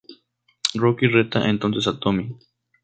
Rocky reta entonces a Tommy.